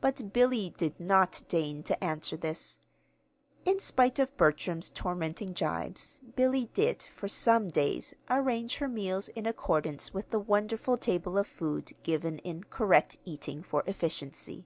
But Billy did not deign to answer this. In spite of Bertram's tormenting gibes, Billy did, for some days, arrange her meals in accordance with the wonderful table of food given in "Correct Eating for Efficiency."